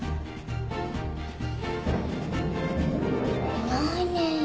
いないね。